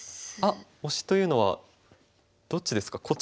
あっオシというのはどっちですか？